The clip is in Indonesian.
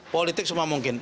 politik semua mungkin